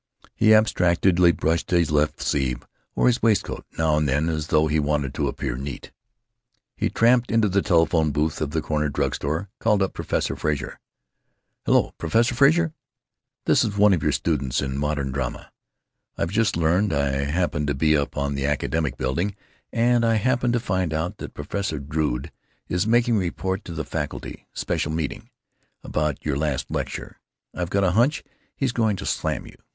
He abstractedly brushed his left sleeve or his waistcoat, now and then, as though he wanted to appear neat. He tramped into the telephone booth of the corner drug store, called up Professor Frazer: "Hello? Professor Frazer?... This is one of your students in modern drama. I've just learned—I happened to be up in the Academic Building and I happened to find out that Professor Drood is making a report to the faculty—special meeting!—about your last lecture. I've got a hunch he's going to slam you.